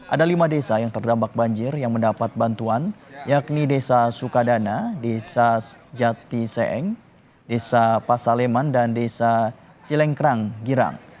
ada lima desa yang terdampak banjir yang mendapat bantuan yakni desa sukadana desa jati seeng desa pasaleman dan desa cilengkrang girang